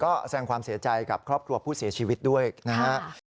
ก็แสงความเสียใจกับครอบครัวผู้เสียชีวิตด้วยนะครับ